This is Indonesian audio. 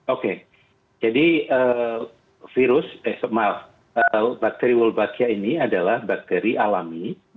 oke jadi virus eh maaf bakteri wolbachia ini adalah bakteri alami